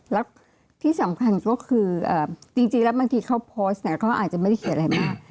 แล้วที่สำคัญก็คือจริงแล้วบางทีเขาโพสต์เนี่ยเขาอาจจะไม่ได้เขียนอะไรมาก